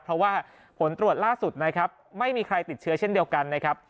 เพราะว่าผลตรวจล่าสุดนะครับไม่มีใครติดเชื้อเช่นเดียวกันนะครับ